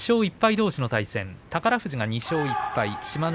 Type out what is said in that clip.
どうしの対戦宝富士が２勝１敗志摩ノ